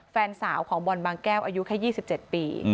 แฟนสาวของบอลบางแก้วอายุแค่๒๗ปี